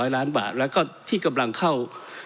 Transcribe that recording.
๐ล้านบาทแล้วก็ที่กำลังเข้า